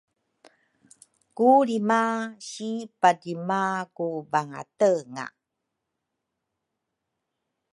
Ku lrima si padrima ku bangatenga